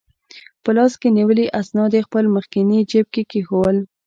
په لاس کې نیولي اسناد یې خپل مخکني جیب کې کېښوول.